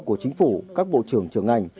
của chính phủ các bộ trưởng trưởng ngành